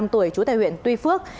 một mươi năm tuổi chú tại huyện tuy phước